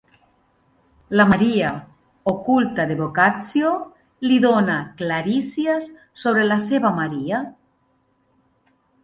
La Maria oculta de Boccaccio li dóna clarícies sobre la seva Maria.